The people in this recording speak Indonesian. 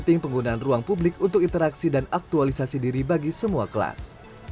dan juga penggunaan ruang publik untuk interaksi dan aktualisasi diri bagi semua kelas